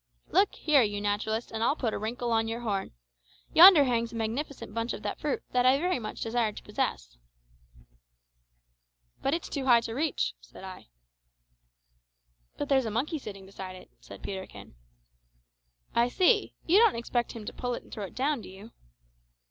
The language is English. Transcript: "Look here, you naturalist, and I'll put a wrinkle on your horn. Yonder hangs a magnificent bunch of fruit that I very much desire to possess." "But it's too high to reach," said I. "But there's a monkey sitting beside it," said Peterkin. "I see. You don't expect him to pull it and throw it down, do you?"